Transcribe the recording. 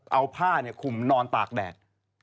เอาผ้าเนี่ยขุมนอนตากแดด